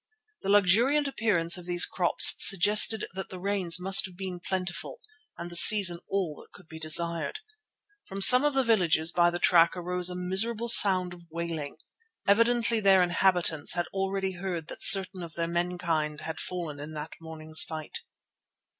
The luxuriant appearance of these crops suggested that the rains must have been plentiful and the season all that could be desired. From some of the villages by the track arose a miserable sound of wailing. Evidently their inhabitants had already heard that certain of their menkind had fallen in that morning's fight.